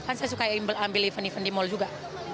kan saya suka ambil event event di mall juga